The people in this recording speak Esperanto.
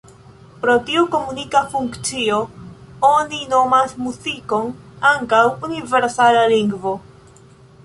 Pro tiu komunika funkcio oni nomas muzikon ankaŭ ""universala lingvo"".